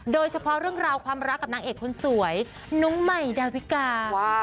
โดยเฉพาะเรื่องราวความรักกับนางเอกคนสวยน้องใหม่ดาวิกา